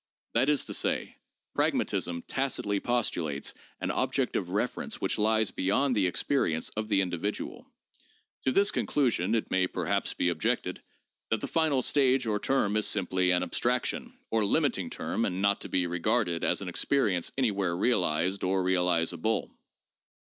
That is to say, pragmatism tacitly postulates an object of reference which lies beyond the experience of the individual. To this conclusion it may perhaps be objected that the final stage or term is simply an abstraction or limiting term and not to be re garded as an experience anywhere realized or realizable.